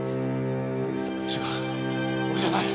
違う俺じゃない！